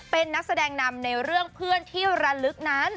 เป็นนักแสดงนำในเรื่องเพื่อนที่ระลึกนั้น